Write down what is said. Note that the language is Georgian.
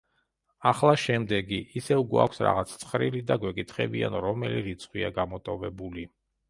ახლა შემდეგი; ისევ გვაქვს რაღაც ცხრილი და გვეკითხებიან, რომელი რიცხვია გამოტოვებული.